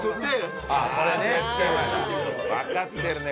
わかってるね